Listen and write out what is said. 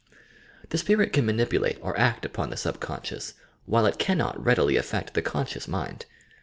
The spirit can manipulate or act upon the subconscious while it cannot readily affect the conscious mind.